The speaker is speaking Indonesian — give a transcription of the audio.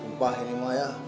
sumpah ini mah ya